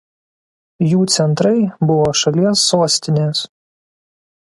Jų centrai buvo šalies sostinės.